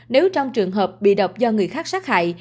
nếu trong trường hợp bị độc do người khác sát hại